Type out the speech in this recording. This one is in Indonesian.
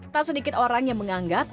tak sedikit orang yang menganggap